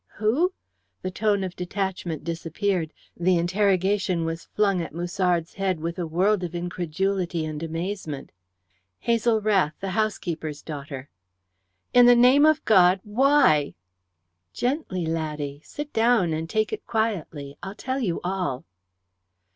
"Who?" The tone of detachment disappeared. The interrogation was flung at Musard's head with a world of incredulity and amazement. "Hazel Rath, the housekeeper's daughter." "In the name of God, why?" "Gently, laddie. Sit down, and take it quietly. I'll tell you all."